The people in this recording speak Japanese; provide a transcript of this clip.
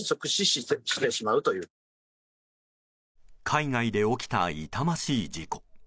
海外で起きた痛ましい事故。